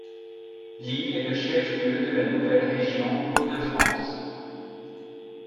Lille est le chef-lieu de la nouvelle région Hauts-de-France.